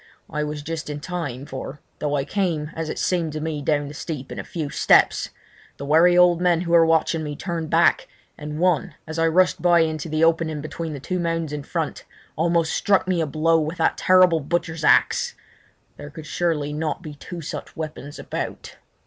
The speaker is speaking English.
I was just in time, for, though I came as it seemed to me down the steep in a few steps, the wary old men who were watching me turned back, and one, as I rushed by into the opening between the two mounds in front, almost struck me a blow with that terrible butcher's axe. There could surely not be two such weapons about!